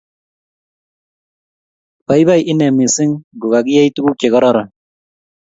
Baibai inee mising ngokakiyei tuguk chekororon